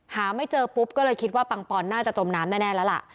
หาไม่เจอปุ๊บก็เลยคิดว่าปังปอนน่าจะจมน้ำแน่แล้วล่ะ